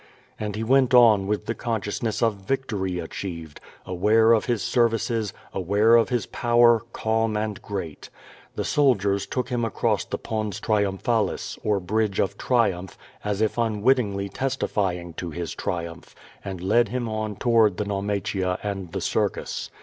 '' And he went on with the consciousness of victory achieved, aware of his services, aware of his power, calm, and great. The soldiers took him across the Pons Triumphalis, or Bridge of Triumph, as if unwittingly testify ing to his triumph, and led him on toward the Naumachia and the Circus.